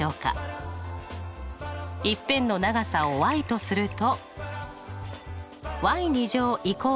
一辺の長さをとすると。